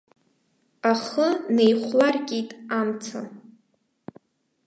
Ахы неихәларкит амца.